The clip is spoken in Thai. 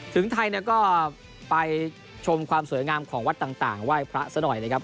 ถึงไทยก็ไปชมความสวยงามของวัดต่างว่ายพระซะหน่อยครับ